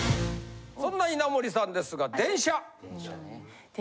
そんな稲森さんですが。